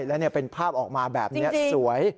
แล้วเป็นภาพออกมาแบบนี้สวย